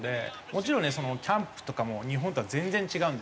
もちろんねキャンプとかも日本とは全然違うんですよ。